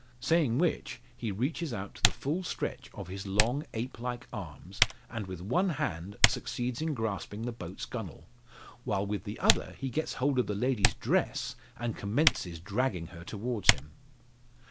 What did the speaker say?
Saying which he reaches out to the full stretch of his long, ape like arms, and with one hand succeeds in grasping the boat's gunwale, while with the other he gets hold of the lady's dress, and commences dragging her towards him.